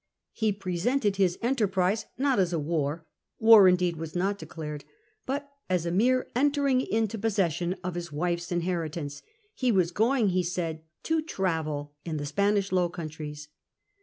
He presented his enterprise not as a war — war indeed was not declared —but as a mere entering into possession of his wife's inheritance. He was going, he said, to travel in the Spanish Low Countries.